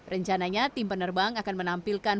rencananya tim penerbang akan menampilkan